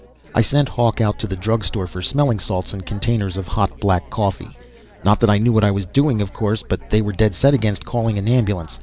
I sent Hawk out to the drug store for smelling salts and containers of hot black coffee not that I knew what I was doing, of course, but they were dead set against calling an ambulance.